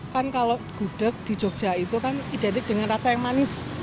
kan kalau gudeg di jogja itu kan identik dengan rasa yang manis